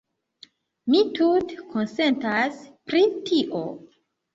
Mi tute konsentas pri tio.